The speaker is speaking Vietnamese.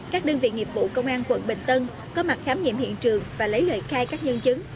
các đơn vị nghiệp vụ công an quận bình tân có mặt khám nghiệm hiện trường và lấy lời khai các nhân chứng